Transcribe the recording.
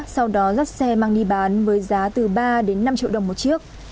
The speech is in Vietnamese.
sau đó dắt xe mang đi bán với giá từ ba đến năm triệu đồng một chiếc